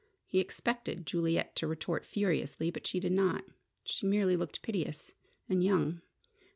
He expected Juliet to retort furiously, but she did not. She merely looked piteous and young.